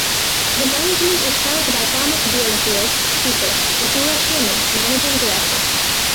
The management is held by Thomas Bielefeld (speaker) and Uwe Schiemann (managing director).